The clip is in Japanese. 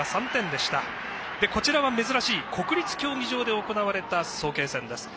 そして、こちらは珍しい国立競技場で行われた早慶戦です。